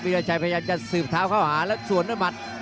ราชัยพยายามจะสืบเท้าเข้าหาแล้วสวนด้วยหมัด